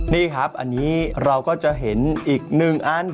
นี่ครับอันนี้เราก็จะเห็นอีกหนึ่งอัน